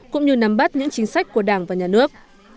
cũng như nắm bắt những chính sách của đảng và nhà nước